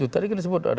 tadi kan disebut